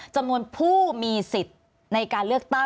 จำนวนผู้มีสิทธิ์ในการเลือกตั้ง